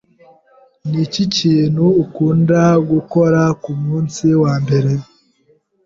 Niki kintu ukunda gukora kumunsi wambere?